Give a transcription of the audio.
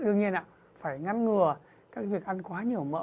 đương nhiên ạ phải ngăn ngừa các việc ăn quá nhiều mỡ